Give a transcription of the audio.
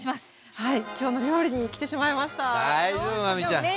はい。